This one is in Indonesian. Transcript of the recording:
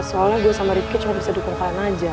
soalnya gua sama rifki cuma bisa dukung kalian aja